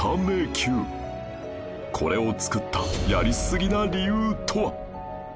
これを作ったやりすぎな理由とは？